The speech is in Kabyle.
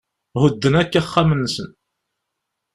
Hudden akk axxam-nsen.